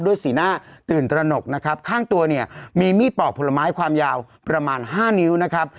สีหน้าตื่นตระหนกนะครับข้างตัวเนี่ยมีมีดปอกผลไม้ความยาวประมาณห้านิ้วนะครับ